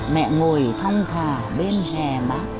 mẹ ngồi thong thả bên hè mát